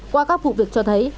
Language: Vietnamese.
qua các vụ việc cho thấy